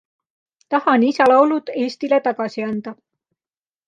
Tahan isa laulud Eestile tagasi anda.